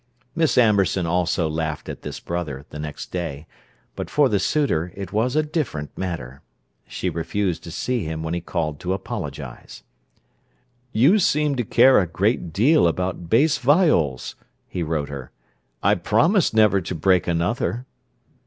Miss Amberson also laughed at this brother, the next day, but for the suitor it was a different matter: she refused to see him when he called to apologize. "You seem to care a great deal about bass viols!" he wrote her. "I promise never to break another."